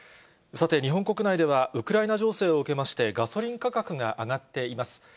さて、日本国内では、ウクライナ情勢を受けまして、ガソリン価格が上がっています。